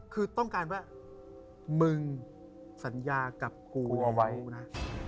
คือต้องการว่ามึงสัญญากับกูเอาไว้นะ